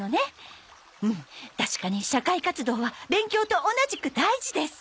うん確かに社会活動は勉強と同じく大事です。